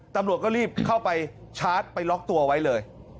ตำรวจก็รีบเข้าไปชาร์จไปล็อกตัวไว้เลย